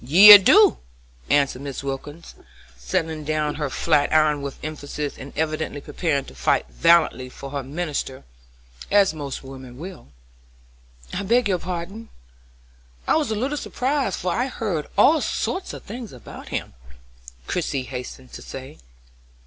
"Yee, I do!" answered Mrs. Wilkins, setting down her flat iron with emphasis, and evidently preparing to fight valiantly for her minister, as most women will. "I beg your pardon; I was a little surprised, for I'd heard all sorts of things about him," Christie hastened to say.